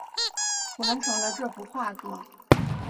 完成了这幅画作